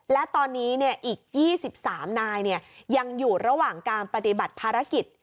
และตอนนี้อีก๒๓นายยังอยู่ระหว่างการปฏิบัติภารกิจ